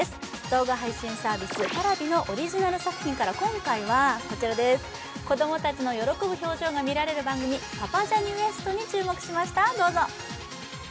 動画配信サービスＰａｒａｖｉのオリジナル作品から今回は子供たちの喜ぶ表情が見られる番組「パパジャニＷＥＳＴ」に注目しました、どうぞ。